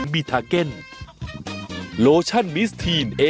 บลิ้งบลิ้งบลิ้ง